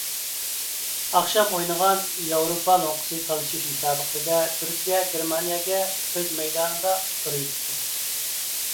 ئاخشام ئوينىغان ياۋروپا لوڭقىسى تاللاش مۇسابىقىسىدە تۈركىيە گېرمانىيەگە ئۆز مەيدانىدا ئۇتتۇرۇۋېتىپتۇ.